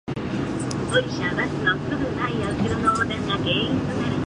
ただ生きるのではない、善く生きるのだ。